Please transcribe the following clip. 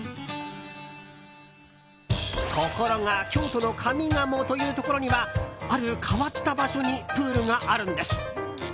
ところが京都の上賀茂というところにはある変わった場所にプールがあるんです。